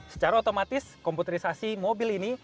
secara otomatis komputerisasi mobil ini